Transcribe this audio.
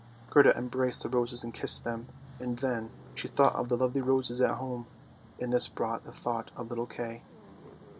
Gerda em braced the roses and kissed them, and then she thought of the lovely roses at home, and this brought the thought of little Kay.